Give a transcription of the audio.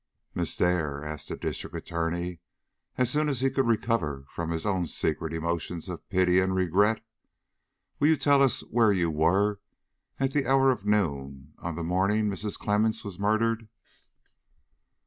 "Miss Dare," asked the District Attorney, as soon as he could recover from his own secret emotions of pity and regret, "will you tell us where you were at the hour of noon on the morning Mrs. Clemmens was murdered?"